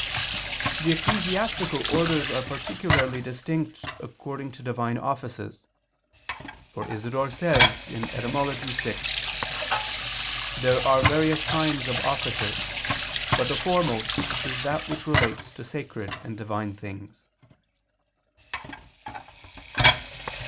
The ecclesiastical orders are particularly distinct according to divine offices. For Isidore says (Etym. vi): "There are various kinds of offices; but the foremost is that which relates to sacred and Divine things."